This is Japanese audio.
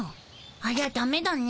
ありゃダメだね。